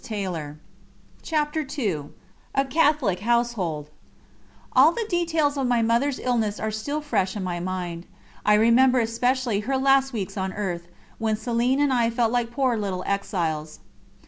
[Ed.] ______________________________ CHAPTER II A CATHOLIC HOUSEHOLD All the details of my Mother's illness are still fresh in my mind. I remember especially her last weeks on earth, when Céline and I felt like poor little exiles.